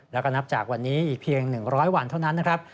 แล้วก็นับจากวันนี้อีกเพียง๑๐๐วันเท่านั้นนะครับ